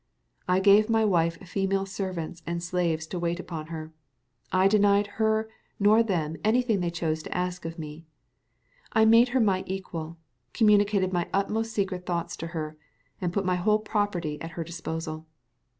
I gave my wife female servants and slaves to wait upon her: I denied neither her nor them anything they chose to ask of me. I made her my equal, communicated my most secret thoughts to her, and put my whole property at her disposal.